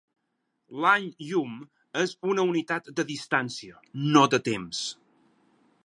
L'any llum és una unitat de distància, no de temps.